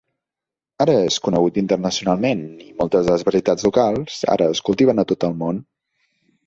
Ara és conegut internacionalment, i moltes de les varietats locals, ara es cultiven a tot el món.